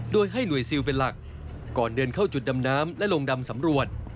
โดยให้หน่วยซิลเป็นหลักก่อนเดินเข้าจุดดำน้ำและลงดำสำรวจ